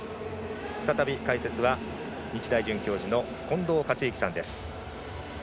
再び解説は日大准教授の近藤克之さんです。